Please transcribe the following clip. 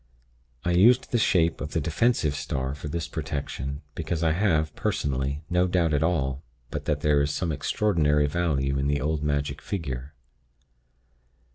I used the shape of the defensive star for this protection, because I have, personally, no doubt at all but that there is some extraordinary virtue in the old magic figure.